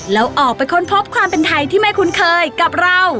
แล้วออกไปค้นพบความเป็นไทยที่ไม่คุ้นเคยกับเรา